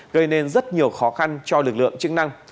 gây nên rất nhiều khó khăn cho lực lượng chức năng